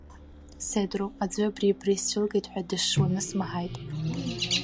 Седру, аӡәы абри-абри сцәылгеит ҳәа дашшуаны смаҳаит.